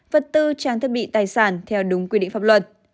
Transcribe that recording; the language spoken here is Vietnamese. vật tư trang thiết bị tài sản theo đúng quy định pháp luật